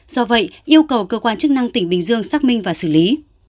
do vậy yêu cầu cơ quan chức năng tỉnh bình dương xác minh và xử lý